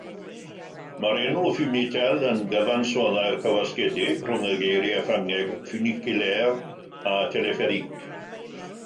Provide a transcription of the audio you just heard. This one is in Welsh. Mae'r enw “funitel” yn gyfansoddair cywasgedig rhwng y geiriau Ffrangeg "funiculaire" a "telepherique".